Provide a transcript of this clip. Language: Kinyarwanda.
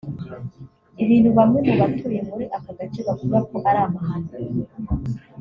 ibintu bamwe mu batuye muri aka gace bavuga ko ari amahano